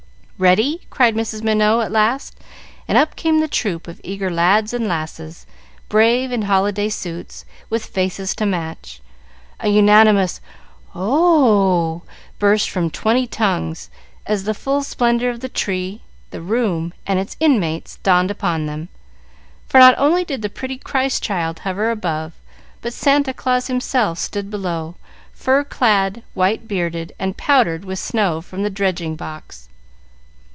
"Ready!" cried Mrs. Minot, at last, and up came the troop of eager lads and lasses, brave in holiday suits, with faces to match. A unanimous "O, o, o!" burst from twenty tongues, as the full splendor of the tree, the room, and its inmates, dawned upon them; for not only did the pretty Christ child hover above, but Santa Claus himself stood below, fur clad, white bearded, and powdered with snow from the dredging box.